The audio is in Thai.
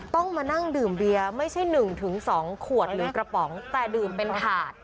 ต้องมานั่งดื่มเบียร์ไม่ใช่๑๒ขวดหรือกระป๋องแต่ดื่มเป็นถาด